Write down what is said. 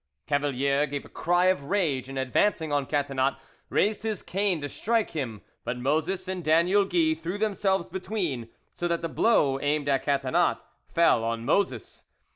Cavalier gave a cry of rage, and advancing on Catinat, raised his cane to strike him; but Moses and Daniel Guy threw themselves between, so that the blow aimed at Catinat fell on Moses.